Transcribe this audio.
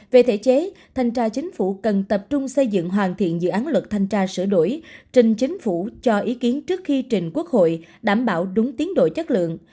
về thể chế thanh tra chính phủ cần tập trung xây dựng hoàn thiện dự án luật thanh tra sửa đổi trình chính phủ cho ý kiến trước khi trình quốc hội đảm bảo đúng tiến độ chất lượng